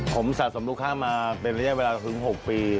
ผมสะสมลูกค้ามาเป็นระยะเวลาถึง๖ปี